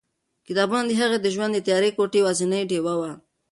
کتابونه د هغې د ژوند د تیاره کوټې یوازینۍ ډېوه وه.